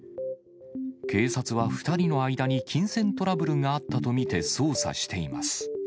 警察は２人の間に金銭トラブルがあったと見て捜査しています。